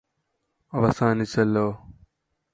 അവസാനിച്ചല്ലോ